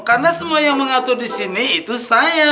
karena semua yang mengatur di sini itu saya